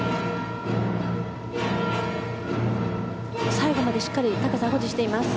最後までしっかり高さを保持しています。